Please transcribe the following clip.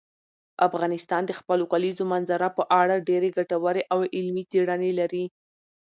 افغانستان د خپلو کلیزو منظره په اړه ډېرې ګټورې او علمي څېړنې لري.